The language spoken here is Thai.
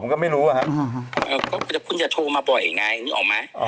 ผมก็ไม่รู้อะครับเออก็คุณจะโทรมาบ่อยไงนึกออกไหมอ๋อ